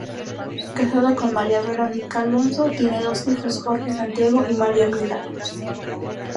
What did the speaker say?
Casado con Mª Verónica Alonso, tiene dos hijos: Jorge Santiago y Mª Milagros.